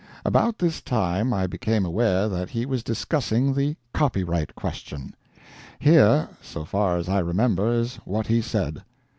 About this time I became aware that he was discussing the copyright question. Here, so far as I remember, is what he said.